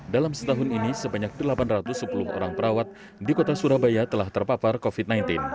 dalam setahun ini sebanyak delapan ratus sepuluh orang perawat di kota surabaya telah terpapar covid sembilan belas